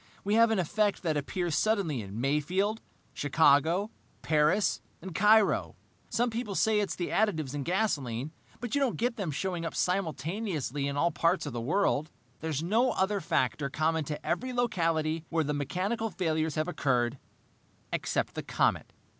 "We have an effect that appears suddenly in Mayfield, Chicago, Paris, and Cairo. Some people say it's the additives in gasoline, but you don't get them showing up simultaneously in all parts of the world. There is no other factor common to every locality where the mechanical failures have occurred, except the comet.